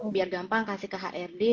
biar gampang kasih ke hrd